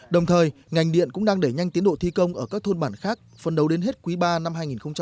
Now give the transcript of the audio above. đồng thời ngành điện cũng đang đẩy nhanh tiến độ thi công ở các thôn bản khác phấn đấu đến hết quý iii năm hai nghìn một mươi bảy